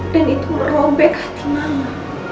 dan itu merobek hati mama